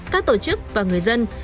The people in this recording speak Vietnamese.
các tổ chức và người dân